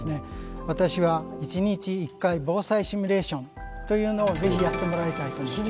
私は「１日１回防災シミュレーション」というのを是非やってもらいたいと思いますね。